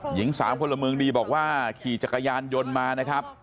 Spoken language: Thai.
หญิงสามพลเมืองดีบอกว่าขี่จักรยานยนต์มานะครับ